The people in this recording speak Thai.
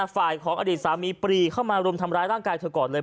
ฝ่ายของอดีตสามีปรีเข้ามารุมทำร้ายร่างกายเธอก่อนเลย